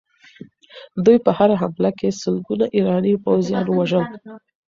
دوی په هره حمله کې سلګونه ایراني پوځیان وژل.